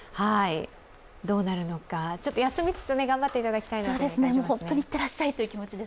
どうなるのか、休みつつ頑張っていただきたいと思います。